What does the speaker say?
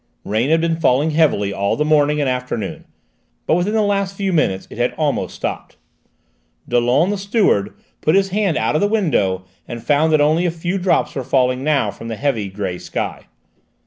Rain had been falling heavily all the morning and afternoon, but within the last few minutes it had almost stopped. Dollon, the steward, put his hand out of the window and found that only a few drops were falling now from the heavy grey sky.